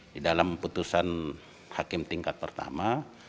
di dalam putusan hakim tingkat pertama